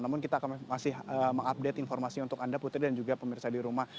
namun kita akan masih mengupdate informasinya untuk anda putri dan juga pemirsa di rumah